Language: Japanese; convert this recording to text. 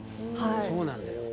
そうなんだよ。